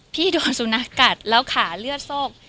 พี่โดนสุนัขกัดแล้วขาเลือดโซก